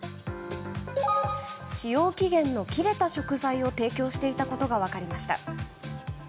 使用期限の切れた食材を提供していたことが分かりました。